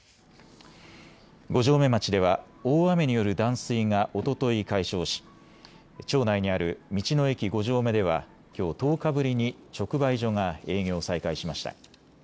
五城目町では大雨による断水がおととい解消し町内にある道の駅五城目ではきょう１０日ぶりに直売所が営業を再開しました。